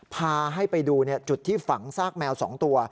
พาให้ไปดูจุดที่ฝังซากแมว๒ตัว